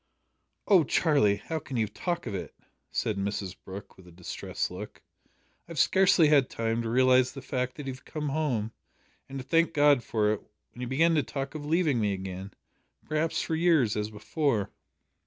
"O Charlie! how can you talk of it?" said Mrs Brooke, with a distressed look. "I have scarcely had time to realise the fact that you have come home, and to thank God for it, when you begin to talk of leaving me again perhaps for years, as before."